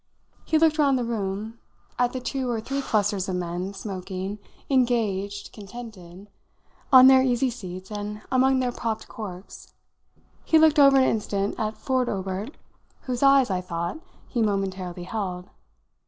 He looked round the room at the two or three clusters of men, smoking, engaged, contented, on their easy seats and among their popped corks; he looked over an instant at Ford Obert, whose eyes, I thought, he momentarily held.